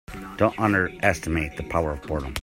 Don't underestimate the power of boredom.